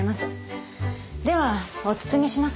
ではお包みします。